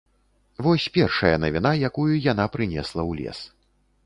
Вось першая навіна, якую яна прынесла ў лес.